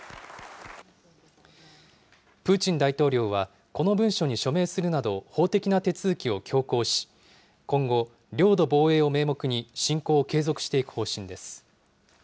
プーチン大統領はこの文書に署名するなど、法的な手続きを強行し、今後、領土防衛を名目に侵攻を継続していく方針です。